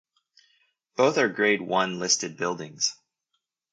Both are grade one listed buildings.